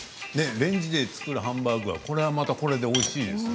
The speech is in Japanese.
レンジで作るハンバーグはこれはこれでおいしいですね。